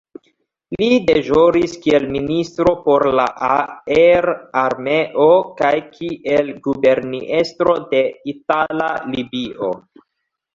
Li deĵoris kiel ministro por la Aerarmeo kaj kiel guberniestro de Itala Libio.